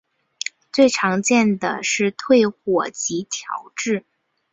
最常见的是退火及调质。